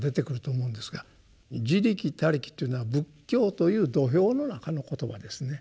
「自力」「他力」というのは仏教という土俵の中の言葉ですね。